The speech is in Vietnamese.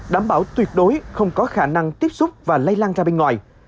đảm bảo tuyệt đối không có khả năng tiếp xúc và lây lan ra bên ngoài